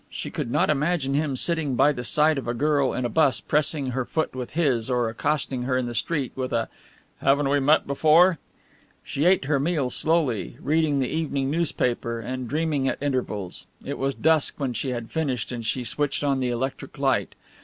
She could not imagine him sitting by the side of a girl in a bus pressing her foot with his, or accosting her in the street with a "Haven't we met before?" She ate her meal slowly, reading the evening newspaper and dreaming at intervals. It was dusk when she had finished and she switched on the electric light.